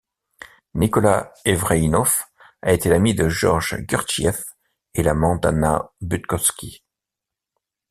Nicolas Evreïnoff a été l'ami de Georges Gurdjieff et l'amant d'Anna Butkovsky.